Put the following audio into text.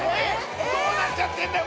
どうなっちゃってるんだよ